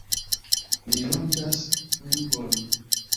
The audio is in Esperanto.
Mi ronĝas ungon.